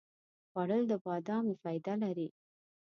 خوړل د بادامو فایده لري